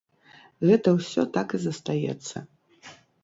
Гэта ўсё так і застаецца.